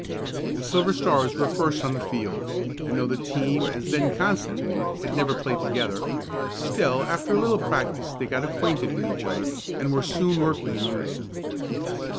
The Silver Stars were first on the field, and though the team as then constituted had never played together, still after a little practice they got acquainted with each other, and were soon working in unison.